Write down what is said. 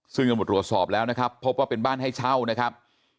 ซึ่งตำรวจตรวจสอบแล้วนะครับพบว่าเป็นบ้านให้เช่านะครับ